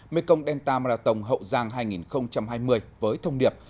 mekong delta marathon hậu giang hai nghìn hai mươi với thông điệp